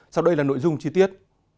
sau đây là nội dung chi tiết